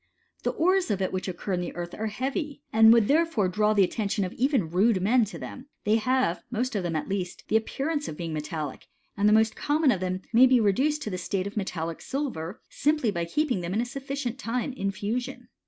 The ores of it which occur in the earth are heavy, and would therefore draw the attention of even rude men to them : they have, most of them at least, the appearance of being metallic, and the most common of them may be reduced to the state of metallic silver, simply by keeping them a sufficient time in fusion.